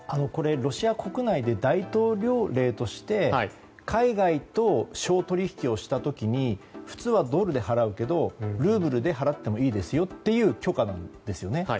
これ、ロシア国内で大統領令として海外と商取引をした時に普通はドルで払うけどルーブルで払ってもいいですよという許可なんですよね。